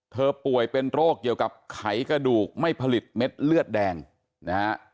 ป่วยเป็นโรคเกี่ยวกับไขกระดูกไม่ผลิตเม็ดเลือดแดงนะฮะ